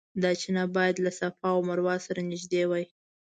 دا چینه باید له صفا او مروه سره نږدې وای.